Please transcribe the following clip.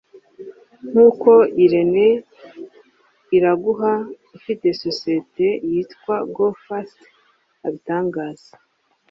nk’uko Irenee Iraguha ufite sosiyete yitwa Go Fast abitangaza